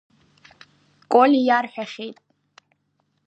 Коли иарҳәахьеит.